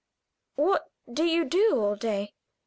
"What do you do all day?"